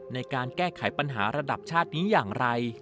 ในการแก้ไขปัญหาระดับชาตินี้อย่างไร